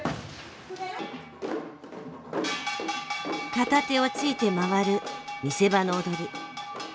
片手をついて回る見せ場の踊り。